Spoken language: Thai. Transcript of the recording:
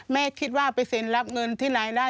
แม่คิดว่าไปเซ็นรับเงินที่ไหนได้